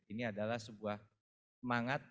ini adalah sebuah semangat